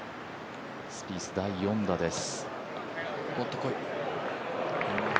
スピース、第４打です。